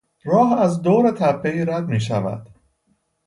راه از دور تپهای رد میشود.